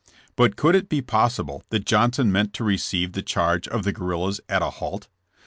' But could it be possible that John son meant to receive the charge of the guerrillas at a halt?